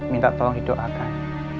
minta tolong didoakan